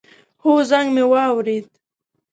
هو، زنګ می واورېد